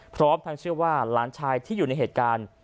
พร้อมทั้งเชื่อว่าหลานชายที่อยู่ในเหตุการณ์